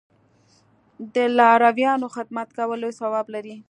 د لارویانو خدمت کول لوی ثواب لري.